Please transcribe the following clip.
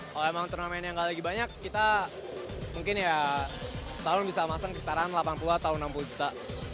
kalau emang turnamennya nggak lagi banyak kita mungkin ya setahun bisa masang kisaran delapan puluh atau enam puluh juta